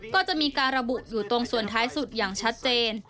ก็จะมีการระบุอยู่ตรงส่วนท้ายสุดอย่างชัดเจน